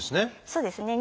そうですね。